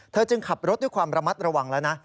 จึงขับรถด้วยความระมัดระวังแล้วนะ